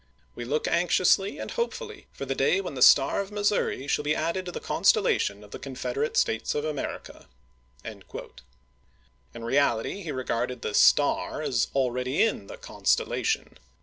We look anxiously and hopefully for the day when the star of Missouri shall be added to the consteUation of the Confederate States of America. In reality he regarded the " star " as already in the "constellation."